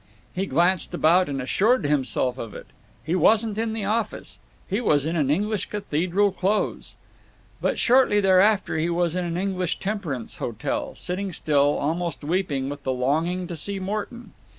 He glanced about and assured himself of it. He wasn't in the office. He was in an English cathedral close! But shortly thereafter he was in an English temperance hotel, sitting still, almost weeping with the longing to see Morton.